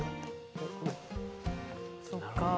そっかあ。